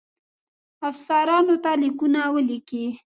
افسرانو ته لیکونه ولیکي.